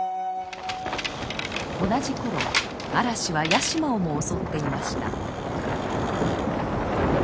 同じ頃嵐は屋島をも襲っていました。